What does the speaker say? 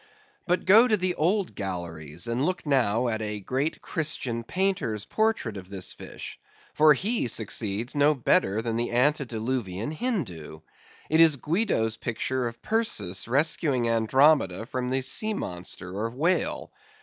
But go to the old Galleries, and look now at a great Christian painter's portrait of this fish; for he succeeds no better than the antediluvian Hindoo. It is Guido's picture of Perseus rescuing Andromeda from the sea monster or whale.